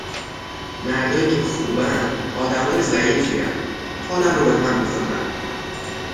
مردایی که خوبن، آدمای ضعیفین، حالم رو بهم می زنن